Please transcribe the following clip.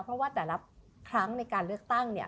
เพราะว่าแต่ละครั้งในการเลือกตั้งเนี่ย